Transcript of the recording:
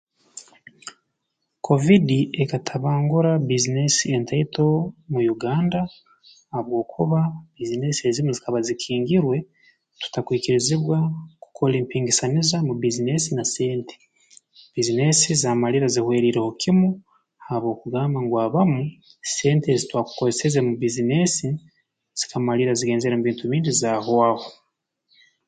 Kovidi ekatabangura bbizinesi entaito mu Uganda habwokuba bbiizinesi ezimu zikaba zikingirwe tutakwikirizibwa kukora empingisaniza mu bbizineesi na sente bbizineesi zaamalirra zihweriireho kimu habw'okugamba ngu abamu sente ezitwakukozeseze mu bbizineesi zikamalirra zigenzere mu bintu bindi zaahwaho